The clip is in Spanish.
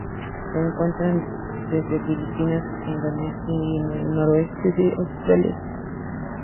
Se encuentra desde Filipinas hasta Indonesia y el noroeste de Australia.